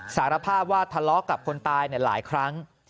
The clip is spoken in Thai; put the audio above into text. สารภาพว่าทะเลาะกับคนตายหลายครั้ง